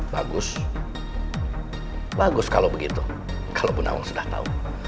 bagus bagus kalau begitu kalau bu nawang sudah tahu